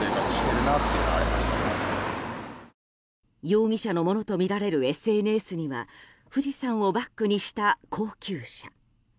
容疑者のものとみられるＳＮＳには富士山をバックにした高級車。